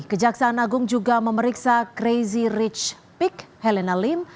kejaksaan agung juga memeriksa crazy rich pick helena lim